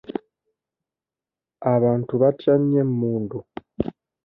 Abantu batya nnyo emmundu.